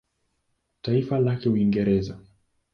Taifa lake Uingereza.